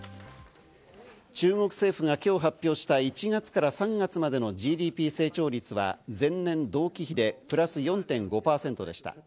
中国政府が今日発表した１月から３月までのＧＤＰ成長率は前年同期比でプラス４．５％でした。